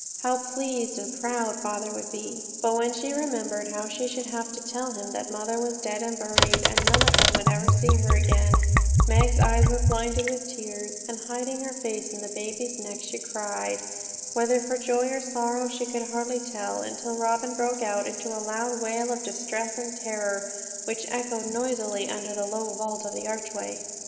How pleased and proud father would be! But when she remembered how she should have to tell him that mother was dead and buried, and none of them would ever see her again, Meg's eyes were blinded with tears, and hiding her face in the baby's neck, she cried, whether for joy or sorrow she could hardly tell; until Robin broke out into a loud wail of distress and terror, which echoed noisily under the low vault of the archway.